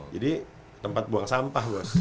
jadi tempat buang sampah bos